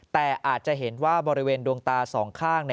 แต่อาจจะเห็นว่าบริเวณดวงตาสองข้าง